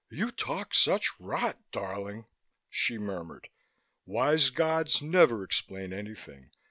"You talk such rot, darling," she murmured. "Wise gods never explain anything.